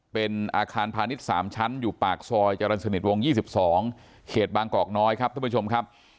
เป็นอาคารพาณิชย์๓ชั้นอยู่ปากซอยจรรย์สนิทวง๒๒เขตบางกอกน้อยครับท่านผู้ชมครับ